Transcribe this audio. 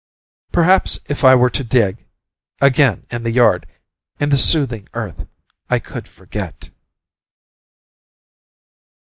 Perhaps if I were to dig ... again in the yard ... in the soothing earth, I could forget....